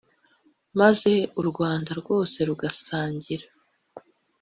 maze u rwanda rwose rugasangira